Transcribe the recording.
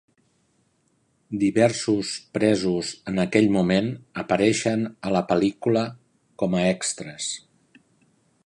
Diversos presos en aquell moment apareixen a la pel·lícula com a extres.